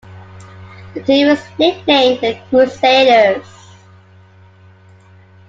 The team is nicknamed the Crusaders.